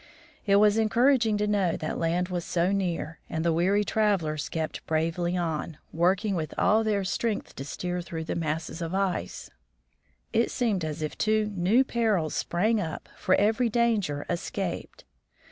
It was encouraging to know that land was so near, and the weary travelers kept bravely on, working with all their strength to steer through the masses oi ice. It seemed as if two new perils sprang up for every danger escaped.